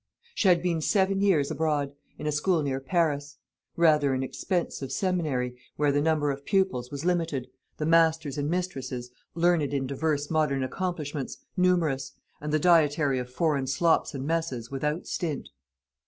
She had been seven years abroad, in a school near Paris; rather an expensive seminary, where the number of pupils was limited, the masters and mistresses, learned in divers modern accomplishments, numerous, and the dietary of foreign slops and messes without stint.